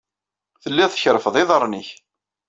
Telliḍ tkerrfeḍ iḍarren-nnek.